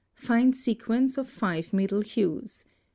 Find sequence of five middle hues.